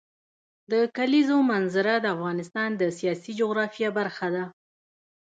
د کلیزو منظره د افغانستان د سیاسي جغرافیه برخه ده.